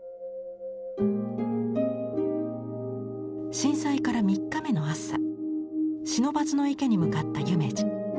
震災から３日目の朝不忍池に向かった夢二。